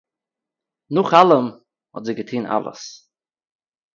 נאָך אַלעם האָט זי געטאָן אַלעס